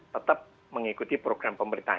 tetap mengikuti program pemerintah